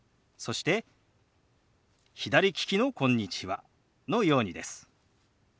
そして左利きの「こんにちは」のようにです。